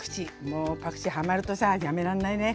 もうパクチーハマるとさやめらんないね。